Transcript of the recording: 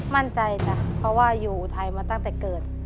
มั่นใจจ้ะเพราะว่าอยู่อุทัยมาตั้งแต่เกิด